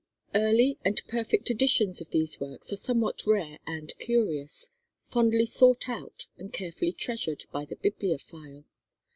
Early and perfect editions of these works are somewhat rare and curious, fondly sought out and carefully treasured by the bibliophile.